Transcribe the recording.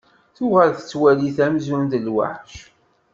Tuɣal tettwali-t amzun d lweḥc.